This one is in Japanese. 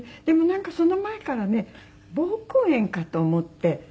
でもなんかその前からね膀胱炎かと思って。